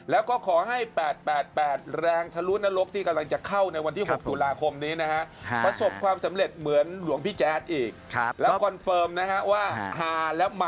แล้วก็ขอให้๘๘แรงทะลุนรกที่กำลังจะเข้าในวันที่๖ตุลาคมนี้นะฮะ